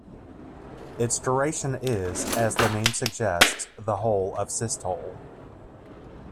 Its duration is, as the name suggests, the whole of systole.